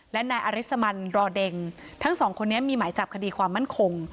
และนายอริสมันรอเด็งทั้งสองคนนี้มีหมายจับคดีความมั่นคง